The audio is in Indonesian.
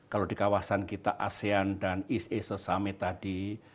kalau di kawasan kita asean dan east asia summit tadi